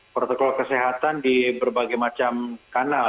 protokol kesehatan di berbagai macam kanal